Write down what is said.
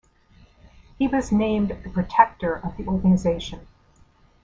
He was named the Protector of the organization.